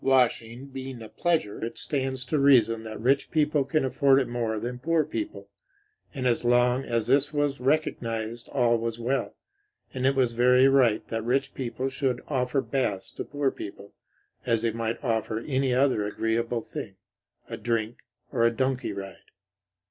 Washing being a pleasure, it stands to reason that rich people can afford it more than poor people, and as long as this was recognized all was well; and it was very right that rich people should offer baths to poor people, as they might offer any other agreeable thing a drink or a donkey ride.